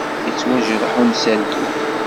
Yettwajreḥ umsaltu!